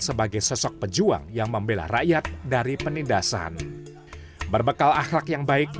sebagai tetapi yang ingin menini biar di pasangan selain berpikir pikir final ini